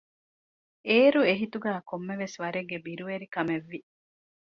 އޭރު އެހިތުގައި ކޮންމެވެސް ވަރެއްގެ ބިރުވެރިކަމެއްވި